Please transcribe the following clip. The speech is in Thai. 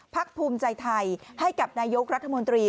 ภูมิใจไทยให้กับนายกรัฐมนตรี